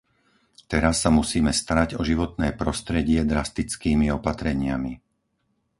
Teraz sa musíme starať o životné prostredie drastickými opatreniami.